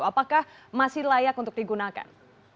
apakah masih layak untuk digunakan